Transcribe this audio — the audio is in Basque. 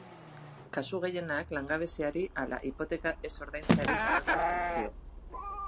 Kasu gehienak, langabeziari ala hipoteka ez ordaintzeari egotzi zaizkio.